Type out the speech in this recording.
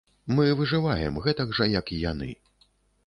Мы выжываем гэтак жа, як і яны.